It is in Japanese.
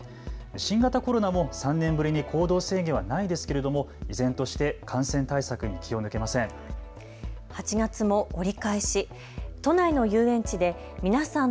新型コロナコロナも３年ぶりに行動制限はないですけれども依然として感染対策に気を抜けません。